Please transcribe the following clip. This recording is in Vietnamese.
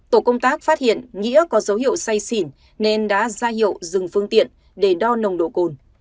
tổ công tác phát hiện nghĩa có dấu hiệu say xỉn nên đã ra hiệu dừng phương tiện để đo nồng độ cồn